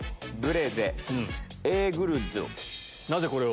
なぜこれを？